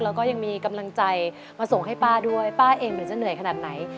แล้วก็ยังมีกำลังใจมาส่งให้ป้าด้วยป้าเองหรือจะเหนื่อยขนาดไหน